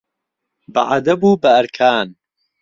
بهعەدەب و به ئەرکان